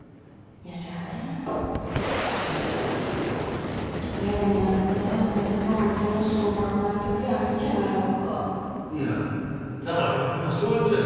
いやでも待ってその人ホントに死にたくなる時あるっちゃないやろかいやだから今そう言ったよね？